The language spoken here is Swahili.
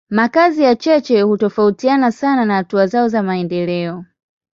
Makazi ya cheche hutofautiana sana na hatua zao za maendeleo.